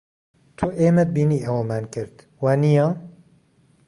تۆ ئێمەت بینی ئەوەمان کرد، وانییە؟